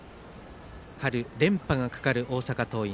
春連覇がかかる大阪桐蔭。